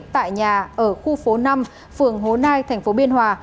tại nhà ở khu phố năm phường hố nai thành phố biên hòa